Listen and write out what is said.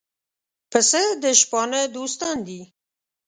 پسه د شپانه دوستان دي.